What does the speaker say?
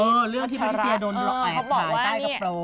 เออเรื่องที่พระพิเศษยาโดนล้อแอบถ่ายใต้กระโปร